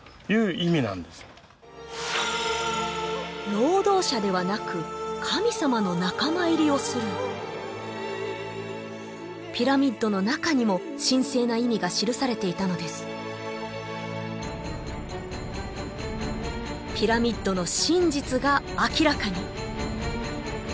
労働者ではなく神様の仲間入りをするピラミッドの中にも神聖な意味が記されていたのですピラミッドの真実が明らかに！